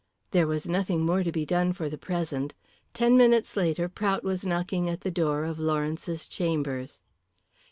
There was nothing more to be done for the present. Ten minutes later Prout was knocking at the door of Lawrence's chambers.